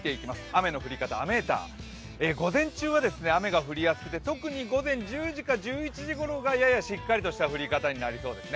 雨の降り方、雨ーター、午前中は雨が降りやすくて特に午前１０時か１１時ごろがややしっかりした降り方になりそうです。